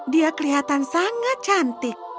dia kelihatan sangat cantik